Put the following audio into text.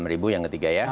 enam ribu yang ketiga ya